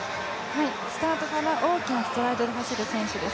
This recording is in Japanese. スタートから大きなストライドで走る選手です。